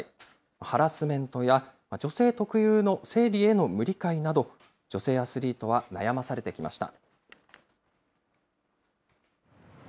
ハラスメントや女性特有の生理への無理解など、女性アスリートは悩まされてきました。